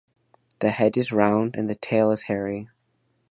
The head is round and the tail is hairy.